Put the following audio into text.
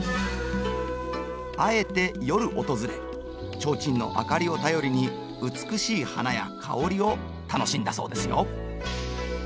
あえて夜訪れちょうちんの明かりを頼りに美しい花や香りを楽しんだそうですよ。